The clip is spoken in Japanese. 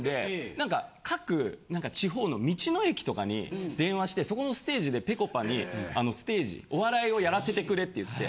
何か各地方の道の駅とかに電話してそこのステージでぺこぱにステージお笑いをやらせてくれって言って。